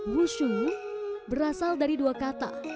wushu berasal dari dua kata